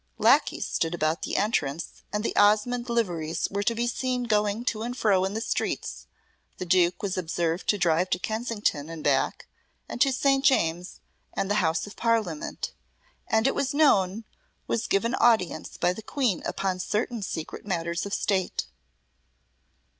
Lacqueys stood about the entrance, and the Osmonde liveries were to be seen going to and fro in the streets, the Duke was observed to drive to Kensington and back, and to St. James's, and the House of Parliament, and it was known was given audience by the Queen upon certain secret matters of State.